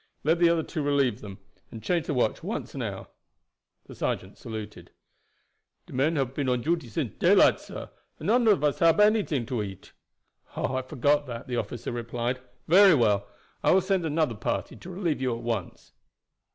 "Let the other two relieve them, and change the watch once an hour." The sergeant saluted. "De men hab been on duty since daylight, sah, and none of us hab had anything to eat." "Oh, I forgot that," the officer replied. "Very well, I will send another party to relieve you at once."